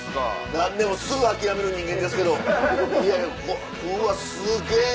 何でもすぐ諦める人間ですけどいやいやうわすげぇ。